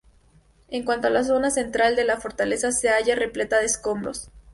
En cuanto a la zona central de la fortaleza, se halla repleta de escombros.